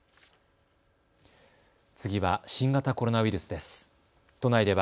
次は新型コロナウイルスです。